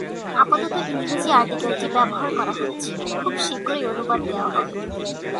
আপাতত ইংরেজি আর্টিকেল টি ব্যবহার করা হচ্ছে, খুব শীঘ্রই অনুবাদ দেওয়া হবে।